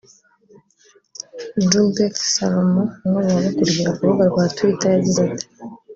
Judith Salomon umwe mu bamukurikira ku rubuga rwa Twitter yagize ati